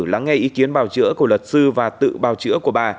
lắng nghe ý kiến bào chữa của luật sư và tự bào chữa của bà